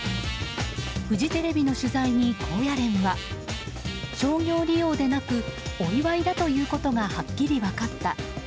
フジテレビの取材に高野連は商業利用でなくお祝いだということがはっきり分かった。